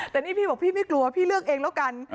แต่นี่พี่บอกพี่ไม่กลัวพี่เลือกเองแล้วกัน